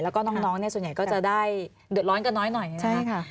แล้วก็น้องส่วนใหญ่ก็จะได้เดือดร้อนกันน้อยหน่อยใช่ไหม